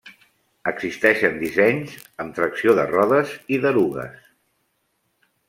Existeixen dissenys amb tracció de rodes i d'erugues.